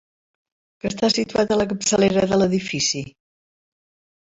Què està situat a la capçalera de l'edifici?